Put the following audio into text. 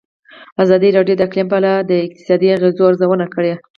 ازادي راډیو د اقلیم په اړه د اقتصادي اغېزو ارزونه کړې.